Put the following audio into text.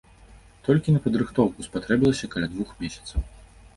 Толькі на падрыхтоўку спатрэбілася каля двух месяцаў.